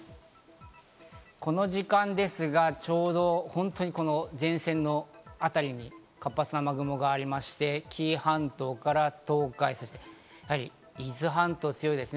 この時間ですが、ちょうど前線の辺りに活発な雨雲がありまして紀伊半島から東海、伊豆半島、強いですね。